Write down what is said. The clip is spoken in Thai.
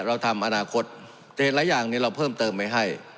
เราทำอนาคตแต่เห็นหลายอย่างเนี่ยเราเพิ่มเติมไว้ให้